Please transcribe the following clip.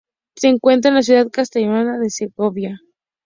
Se encuentra en la ciudad castellanoleonesa de Segovia.